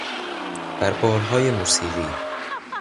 بر بالهای موسیقی